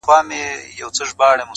د څرمنو له بد بویه یې زړه داغ وو -